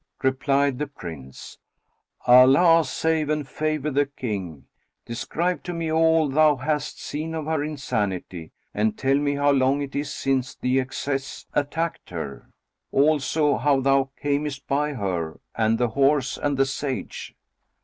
Replied the Prince, "Allah save and favour the King: describe to me all thou hast seen of her insanity and tell me how long it is since the access attacked her; also how thou camest by her and the horse and the Sage."